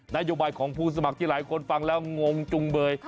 นโยบายของผู้สมัครที่หลายคนฟังแล้วงงจุงเบย